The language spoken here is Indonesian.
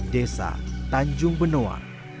desa tanjung benoa